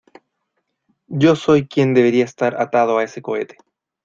Yo soy quien debería estar atado a ese cohete.